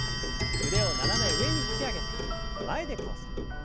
腕を斜め上に引き上げて前で交差。